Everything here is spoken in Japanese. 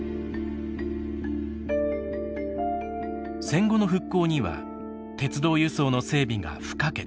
戦後の復興には鉄道輸送の整備が不可欠。